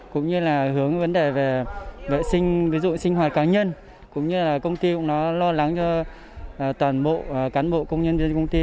cũng như là hướng vấn đề về vệ sinh ví dụ sinh hoạt cá nhân cũng như là công ty cũng lo lắng cho toàn bộ cán bộ công nhân viên công ty